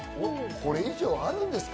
これ以上あるんですか？